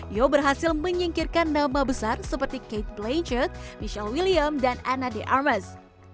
yeoh berhasil menyingkirkan nama besar seperti cate blanchett michelle williams dan anna de armas